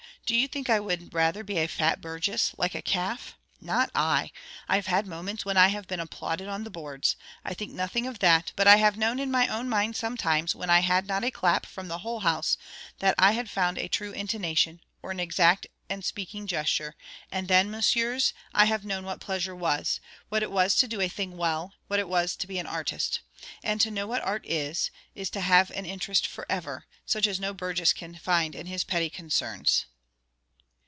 Do you think I would rather be a fat burgess, like a calf? Not I! I have had moments when I have been applauded on the boards: I think nothing of that; but I have known in my own mind sometimes, when I had not a clap from the whole house, that I had found a true intonation, or an exact and speaking gesture; and then, messieurs, I have known what pleasure was, what it was to do a thing well, what it was to be an artist. And to know what art is, is to have an interest for ever, such as no burgess can find in his petty concerns.